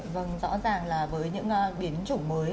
vâng rõ ràng là với những biến chủng mới